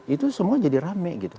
itu semua jadi rame gitu